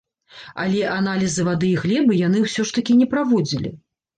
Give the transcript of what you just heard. Але аналізы вады і глебы яны ўсё ж такі не праводзілі.